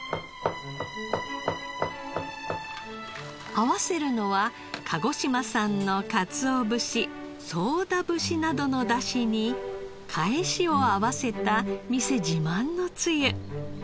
合わせるのは鹿児島産の鰹節宗田節などのダシにかえしを合わせた店自慢のつゆ。